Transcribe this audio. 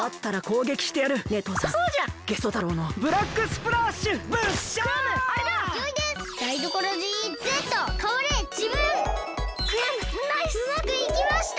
うまくいきました！